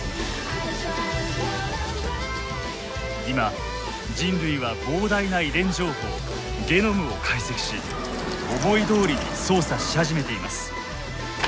今人類は膨大な遺伝情報ゲノムを解析し思いどおりに操作し始めています。